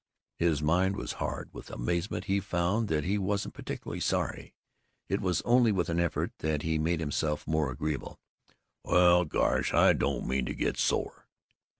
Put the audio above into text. His mind was hard. With amazement he found that he wasn't particularly sorry. It was only with an effort that he made himself more agreeable: "Well, gosh, I didn't mean to get sore."